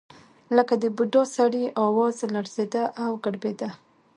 لکه د بوډا سړي اواز لړزېده او ګړبېده.